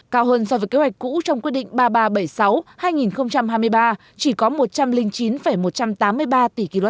cao hơn so với kế hoạch cũ trong quyết định ba nghìn ba trăm bảy mươi sáu hai nghìn hai mươi ba chỉ có một trăm linh chín một trăm tám mươi ba tỷ kwh